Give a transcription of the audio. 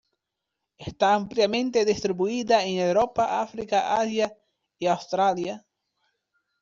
Está ampliamente distribuida en Europa, África, Asia y Australia.